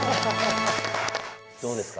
どうですか？